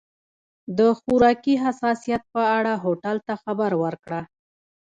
د خوراکي حساسیت په اړه هوټل ته خبر ورکړه.